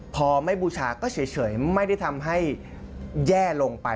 พอไม่บูชาก็เฉยไม่ได้ทำให้แย่ลงไป